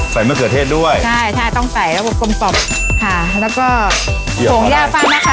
มะเขือเทศด้วยใช่ใช่ต้องใส่ระบบกลมกล่อมค่ะแล้วก็ผงย่าฟาดนะคะ